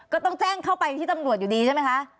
ก็ต้องแจ้งเข้าไปที่ตำรวจอยู่ดีใช่ไหมคะ